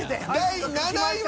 第７位は。